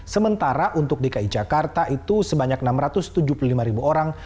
sementara untuk dki jakarta itu sebanyak enam ratus tujuh puluh lima ribu orang